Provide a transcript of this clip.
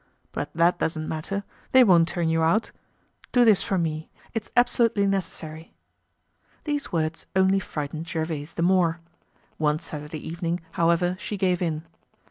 But that doesn't matter, they won't turn you out. Do this for me, it's absolutely necessary." These words only frightened Gervaise the more. One Saturday evening, however, she gave in.